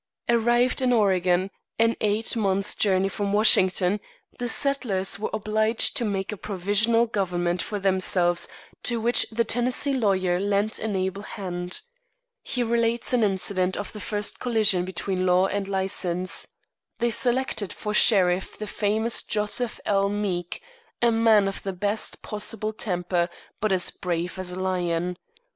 Arrived in Oregon, an eight months' journey from Washington, the settlers were obliged to make a provisional government for themselves, to which the Tennessee lawyer lent an able hand. He relates an incident of the first collision between law and license. They selected for sheriff the famous Joseph L. Meek, a man of the best possible temper, but as brave as a lion.